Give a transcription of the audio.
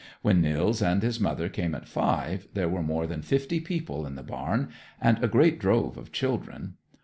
When Nils and his mother came at five, there were more than fifty people in the barn, and a great drove of children.